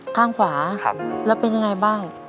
ข้างขวาแล้วเป็นยังไงบ้าง